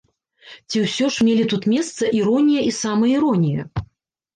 Ці ўсё ж мелі тут месца іронія і самаіронія?